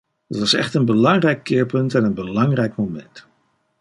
Het was echt een belangrijk keerpunt en een belangrijk moment.